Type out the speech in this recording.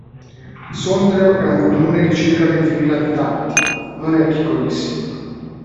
Sondrio è un comune di circa ventimila abitanti, non è piccolissimo.